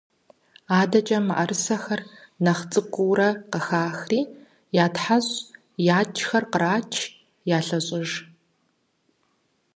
АдэкӀэ мыӀэрысэр, нэхъ цӀыкӀуурэ къыхахри, ятхьэщӀ, якӀхэр кърач, ялъэщӀыж.